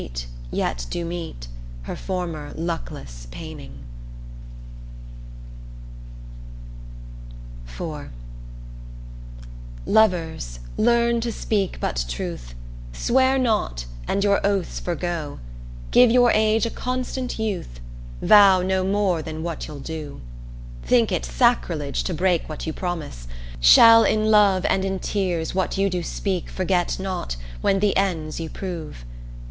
Crown Song 4 ('Lovers learn to speak but truth') Lovers learn to speak but truth, Swear not, and your oaths forego, Give your age a constant youth Vow no more than what you'll do. Think it sacrilege to break What you promise shall in love, And in tears what you do speak, Forget not when the ends you prove.